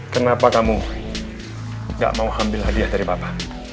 kenapa kamu gak mau ambil hadiah dari bapak